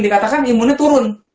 dikatakan imunnya turun